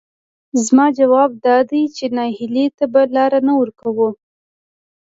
زما ځواب دادی چې نهیلۍ ته به لار نه ورکوو،